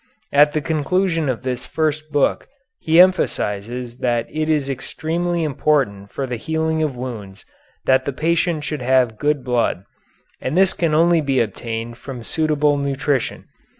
At the conclusion of this first book he emphasizes that it is extremely important for the healing of wounds that the patient should have good blood, and this can only be obtained from suitable nutrition.